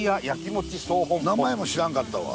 名前も知らんかったわ。